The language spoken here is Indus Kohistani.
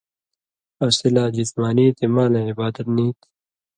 اسی لا جِسمانی تے مالَیں عِبادت نی تھی